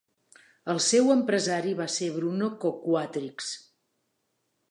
El seu empresari va ser Bruno Coquatrix.